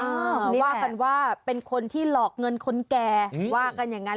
เขาว่ากันว่าเป็นคนที่หลอกเงินคนแก่ว่ากันอย่างนั้น